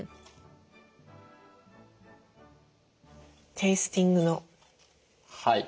テイスティングの。